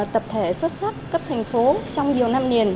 tập thể xuất sắc cấp thành phố trong nhiều năm liền